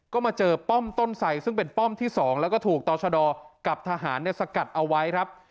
ก็มาเจอป้อมต้นไสซึ่งเป็นป้อมที่๒แล้วก็ถูกต่อชะดอกับทหารสกัดเอาไว้ครับ